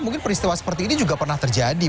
mungkin peristiwa seperti ini juga pernah terjadi